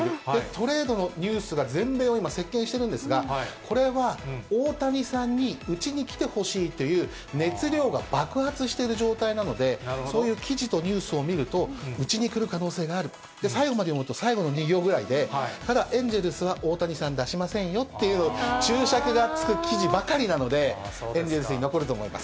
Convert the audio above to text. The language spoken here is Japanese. トレードのニュースが全米を今、席けんしているんですが、これは大谷さんにうちに来てほしいという熱量が爆発している状態なので、そういう記事とニュースを見ると、うちに来る可能性がある、最後まで読むと、最後の２行ぐらいで、ただ、エンゼルスは大谷さん出しませんよっていう注釈がつく記事ばかりなので、エンゼルスに残ると思います。